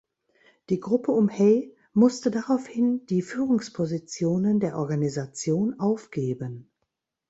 Die Gruppe um Hay musste daraufhin die Führungspositionen der Organisation aufgeben.